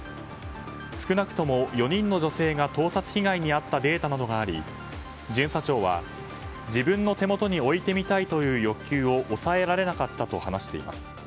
少なくとも４人の女性が盗撮被害に遭ったデータなどがあり巡査長は自分の手元に置いてみたいという欲求を抑えられなかったと話しています。